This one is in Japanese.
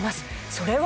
それは！